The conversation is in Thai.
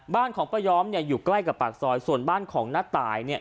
บ้านของป้ายอมเนี่ยอยู่ใกล้กับปากซอยส่วนบ้านของน้าตายเนี่ย